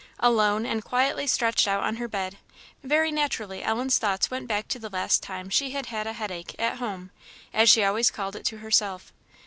Alone, and quietly stretched out on her bed, very naturally Ellen's thoughts went back to the last time she had a headache at home, as she always called it to herself.